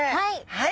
はい。